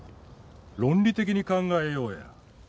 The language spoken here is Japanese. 論理的に考えようや。